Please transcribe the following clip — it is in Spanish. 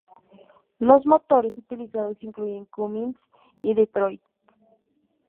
Los motores utilizados incluyen Cummins y Detroit.